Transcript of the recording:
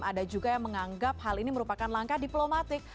ada juga yang menganggap hal ini merupakan langkah diplomatik